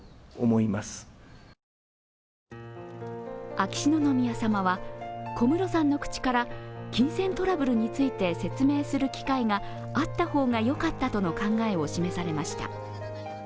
秋篠宮さまは小室さんの口から金銭トラブルについて説明する機会があった方がよかったとの考えを示されました。